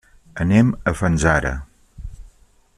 Anem a Fanzara.